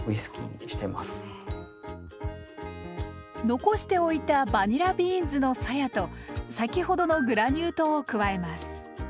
残しておいたバニラビーンズのさやと先ほどのグラニュー糖を加えます。